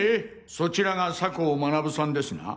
そちらが酒匂学さんですな？